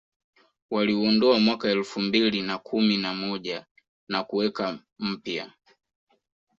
Waliuondoa mwaka elfu mbili na kumi na moja na kuweka mpya